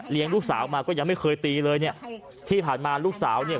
ลูกสาวมาก็ยังไม่เคยตีเลยเนี่ยที่ผ่านมาลูกสาวเนี่ย